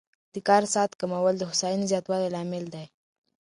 د کار ساعت کمول د هوساینې زیاتوالي لامل دی.